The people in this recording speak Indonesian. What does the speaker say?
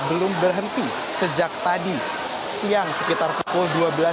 belum berhenti sejak tadi siang sekitar pukul dua belas tiga puluh